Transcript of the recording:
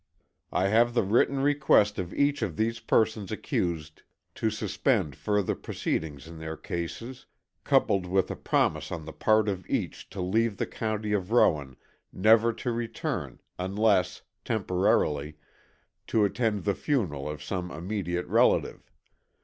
I have the written request of each of these persons accused to suspend further proceedings in their cases, coupled with a promise on the part of each to leave the county of Rowan never to return unless, temporarily, to attend the funeral of some immediate relative....